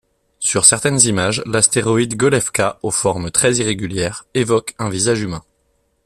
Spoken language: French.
Sur certaines images, l'astéroïde Golevka, aux formes très irrégulières, évoque un visage humain.